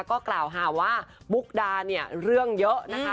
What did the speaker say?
ก็กล่าวหาว่ามุกดาเนี่ยเรื่องเยอะนะคะ